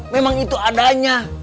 memang itu adanya